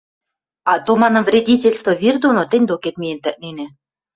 Ато, манам, вредительство вир доно тӹнь докет миэн тӹкненӓ!